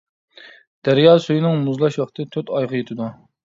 دەريا سۈيىنىڭ مۇزلاش ۋاقتى تۆت ئايغا يېتىدۇ.